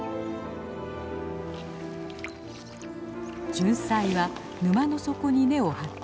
ジュンサイは沼の底に根を張っています。